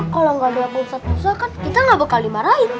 kalau nggak ada yang pindah ustadz mursa kan kita nggak bakal dimarahin